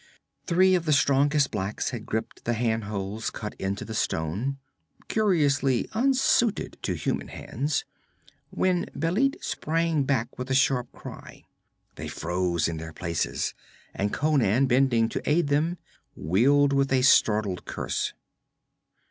Three of the strongest blacks had gripped the handholes cut into the stone curiously unsuited to human hands when Bêlit sprang back with a sharp cry. They froze in their places, and Conan, bending to aid them, wheeled with a startled curse.